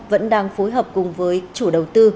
vẫn đang phối hợp cùng với chủ đầu tư